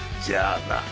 じゃあね。